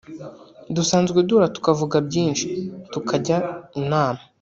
dusanzwe duhura tukavuga byinshi tukajya inama